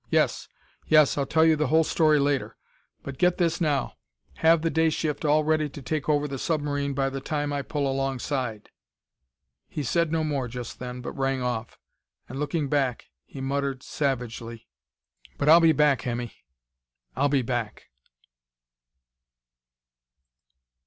Yes yes I'll tell you the whole story later. But get this now: Have the day shift all ready to take over the submarine by the time I pull alongside." He said no more just then; but rang off, and, looking back, he muttered savagely: "But I'll be back, Hemmy I'll be back!"